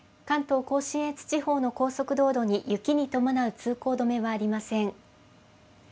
関東甲信越地方の高速道路に雪に伴う通行止めはありません。